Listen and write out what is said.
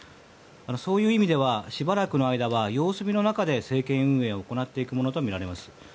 そういう意味ではしばらくの間は様子見の中で政権運営を行っていくものとみられます。